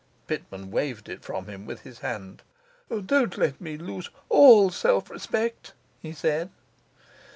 Pitman waved it from him with his hand. 'Don't let me lose all self respect,' he said.